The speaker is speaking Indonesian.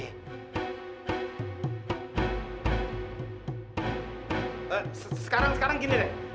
sekarang sekarang gini deh